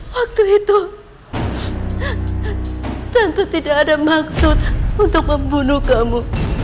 waktu itu tentu tidak ada maksud untuk membunuh kamu